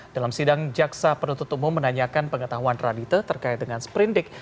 dalam sidang jaksa penutup umum menanyakan pengetahuan radite terkait dengan sprint dig